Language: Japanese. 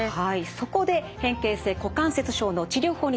そこで変形性股関節症の治療法について見ていきます。